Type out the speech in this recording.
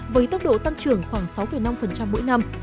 với tốc độ tăng trưởng khoảng sáu năm mỗi năm